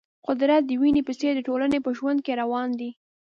قدرت د وینې په څېر د ټولنې په ژوند کې روان دی.